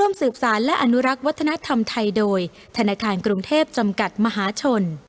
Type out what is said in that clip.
มหาชน